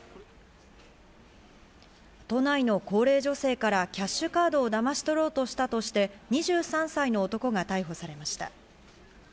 都内の高齢女性からキャッシュカードをだまし取ろうとしたとして、２３歳の男が逮捕されました。